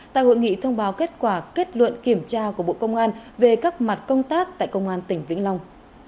tại hội nghị thông báo kết quả kết luận kiểm tra của bộ công an về các mặt công tác tại công an tỉnh vĩnh long